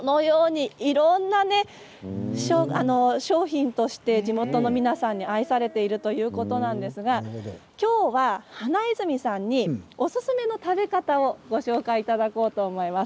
いろんな商品として地元の皆さんに愛されているということなんですがきょうは花泉さんにおすすめの食べ方を教えていただきます。